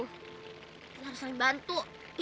kita harus saling bantu